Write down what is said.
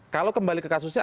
kalau kembali ke kasusnya